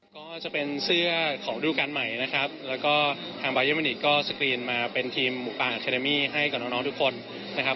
ก็จะเป็นเสื้อของดูการใหม่นะครับแล้วก็ทางบายมินิก็สกรีนมาเป็นทีมหมูปางอาคาเดมี่ให้กับน้องทุกคนนะครับ